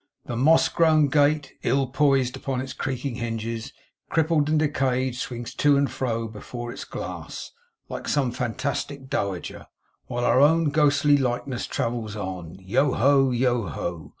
The moss grown gate, ill poised upon its creaking hinges, crippled and decayed swings to and fro before its glass, like some fantastic dowager; while our own ghostly likeness travels on, Yoho! Yoho!